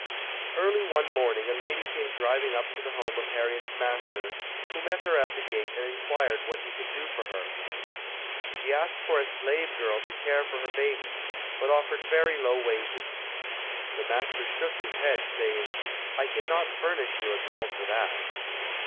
Early one morning a lady came driving up to the home of Harriet's master, who met her at the gate and inquired what he could do for her. She asked for a slave girl to care for her baby, but offered very low wages. The master shook his head, saying, "I can not furnish you a girl for that".